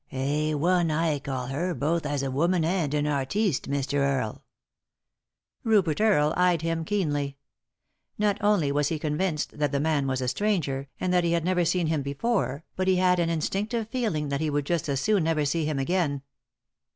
"At, I call her, both as a woman and an artiste, Mr. Earle." Rupert Earle eyed him keenly. Not only was he convinced that the man was a stranger, and that he had never seen him before, but he had an in stinctive feeling that he would just as soon never see him again.